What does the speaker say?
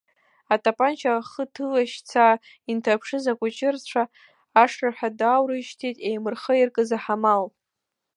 Атапанча ахы ҭылашьцаа инҭаԥшыз акәычырцәа, ашырҳәа дааурышьҭит еимырхха иркыз аҳамал.